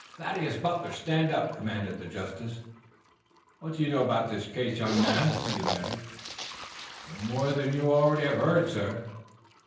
"Thaddeus Butler, stand up!" commanded the justice. "What do you know about this case, young man?" he demanded. "No more than you already have heard, sir."